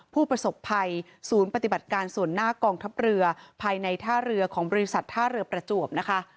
ผู้ประสบภัยศูนย์ปฏิบัติการส่วนหน้ากองทัพเรือภายในท่าเรือของบริษัทท่าเรือประจวบนะคะ